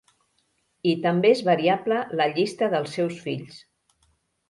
I també és variable la llista dels seus fills.